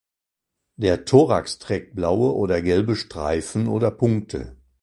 Der Thorax trägt blaue oder gelbe Streifen oder Punkte.